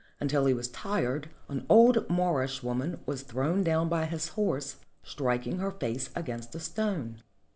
until he was tired, an old Moorish woman was thrown down by his horse, striking her face against a stone.